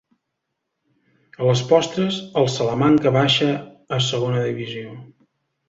A les postres, el Salamanca baixa a Segona Divisió.